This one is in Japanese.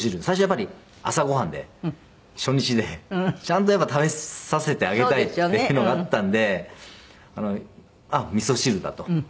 最初やっぱり朝ごはんで初日でちゃんとやっぱり食べさせてあげたいっていうのがあったのであっみそ汁だと。